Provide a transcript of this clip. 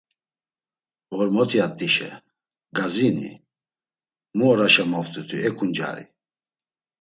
“Ğormot̆iyat̆işe! Gazini? Mu oraşa moft̆itu e ǩuncari!”